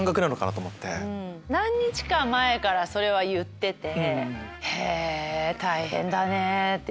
何日か前からそれは言ってて。